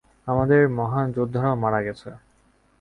আমাদের মহান যোদ্ধারাও মারা গেছে।